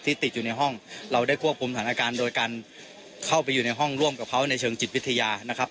ติดอยู่ในห้องเราได้ควบคุมสถานการณ์โดยการเข้าไปอยู่ในห้องร่วมกับเขาในเชิงจิตวิทยานะครับ